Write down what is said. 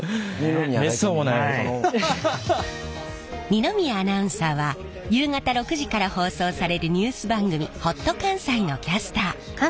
二宮アナウンサーは夕方６時から放送されるニュース番組「ほっと関西」のキャスター。